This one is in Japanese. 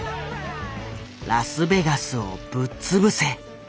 「ラスベガスをぶっつぶせ」。